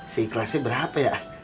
seikhlasnya berapa ya